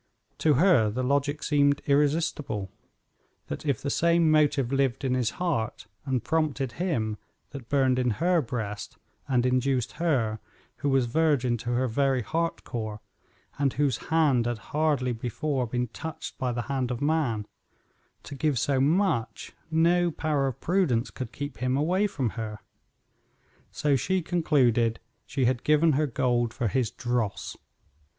To her the logic seemed irresistible; that if the same motive lived in his heart, and prompted him, that burned in her breast, and induced her, who was virgin to her very heart core, and whose hand had hardly before been touched by the hand of man, to give so much, no power of prudence could keep him away from her. So she concluded she had given her gold for his dross.